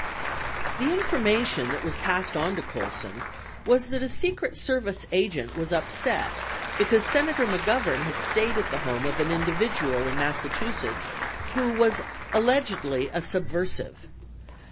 24 The information that was passed on to Colson was that a Secret Service agent was upset be cause Senator McGovern had stayed at the home of an individual in Massachusetts who was allegedly a "subversive."